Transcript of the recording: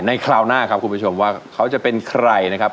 คราวหน้าครับคุณผู้ชมว่าเขาจะเป็นใครนะครับ